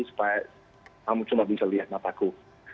supaya kamu cuma bisa lihat mataku